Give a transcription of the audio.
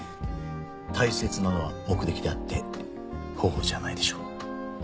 大切なのは目的であって方法じゃないでしょう。